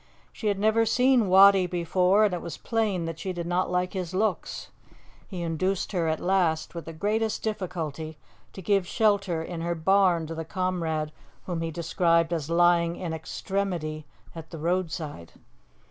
She had never seen Wattie before, and it was plain that she did not like his looks. He induced her at last, with the greatest difficulty, to give shelter in her barn to the comrade whom he described as lying in extremity at the roadside.